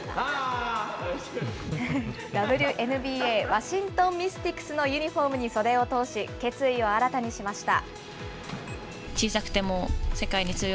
ＷＮＢＡ・ワシントン・ミスティクスのユニホームに袖を通し、決意を新たにしました。